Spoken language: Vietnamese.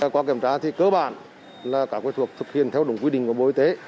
qua kiểm tra thì cơ bản là các thuộc thực hiện theo đúng quy định của bộ y tế